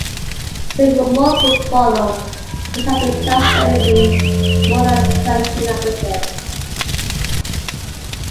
Several more books followed, which have been translated in more than twenty languages.